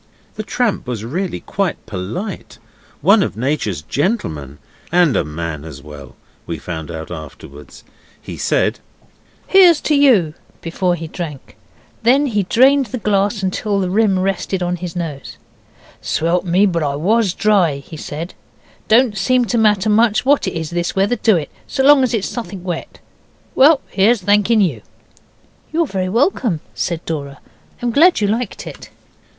The tramp was really quite polite one of Nature's gentlemen, and a man as well, we found out afterwards. He said 'Here's to you!' before he drank. Then he drained the glass till the rim rested on his nose. 'Swelp me, but I WAS dry,' he said. 'Don't seem to matter much what it is, this weather, do it? so long as it's suthink wet. Well, here's thanking you.' 'You're very welcome,' said Dora; 'I'm glad you liked it.